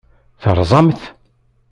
Terẓam-t?